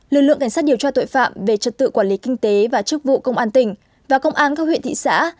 lực lượng cảnh sát điều tra tội phạm về trật tự quản lý kinh tế và chức vụ công an tỉnh và công an các huyện thị xã